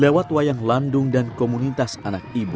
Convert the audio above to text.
lewat wayang landung dan komunitas anak ibu